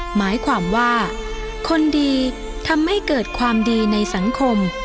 หมายความว่าคนดีทำให้เกิดความดีในสังคม